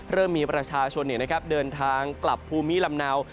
เริ่มมีประชาชนเดินทางกลับภูมิลำเนา